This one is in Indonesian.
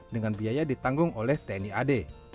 dengan biaya ditanggung oleh tni ad